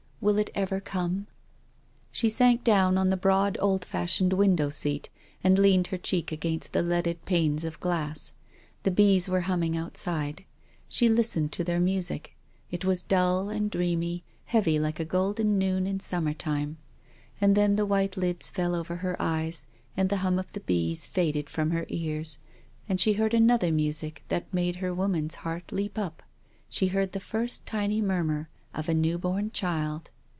" Will it ever come? " She sank down on the broad, old fashioned window seat, and leaned her cheek against the leaded panes of glass. The bees were humming outside. She listened to their music. It was dull and dreamy, heavy like a golden noon in summer time. And then the white lids fell over her eyes, and the hum of the bees faded from her cars, and she heard another music that made her woman's heart leap up, she heard the first tiny murmur of a new born child.